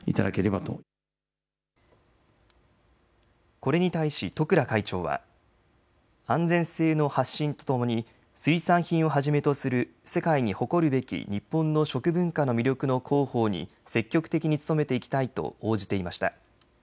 これに対し十倉会長は、安全性の発信とともに水産品をはじめとする世界に誇るべき日本の食文化の魅力の広報に積極的に努めていきたいと応じていました。